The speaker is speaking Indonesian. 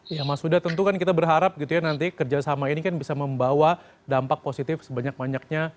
ya mas huda tentu kan kita berharap gitu ya nanti kerjasama ini kan bisa membawa dampak positif sebanyak banyaknya